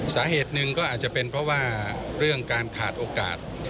สาเหตุหนึ่งก็อาจจะเป็นเพราะว่าเรื่องการขาดโอกาส